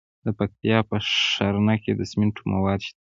د پکتیکا په ښرنه کې د سمنټو مواد شته.